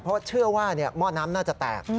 เพราะเชื่อว่าหม้อน้ำน่าจะแตก